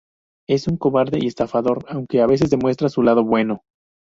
Es un cobarde y estafador aunque a veces demuestra su lado bueno.